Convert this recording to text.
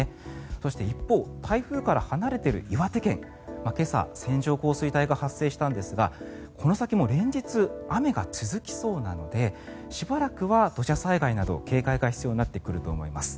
そして、一方台風から離れている岩手県今朝、線状降水帯が発生したんですがこの先も連日雨が続きそうなのでしばらくは土砂災害など警戒が必要になってくると思います。